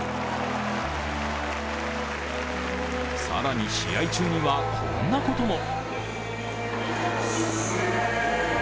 更に、試合中にはこんなことも。